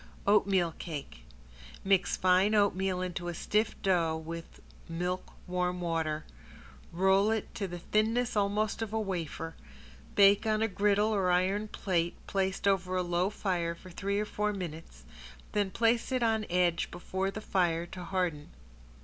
~OATMEAL CAKE~ Mix fine oatmeal into a stiff dough with milk warm water, roll it to the thinness almost of a wafer, bake on a griddle or iron plate placed over a slow fire for three or four minutes, then place it on edge before the fire to harden.